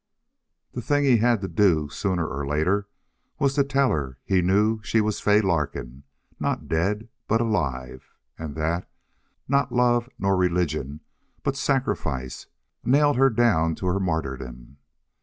The thing he had to do, sooner or later, was to tell her he knew she was Fay Larkin, not dead, but alive, and that, not love nor religion, but sacrifice, nailed her down to her martyrdom.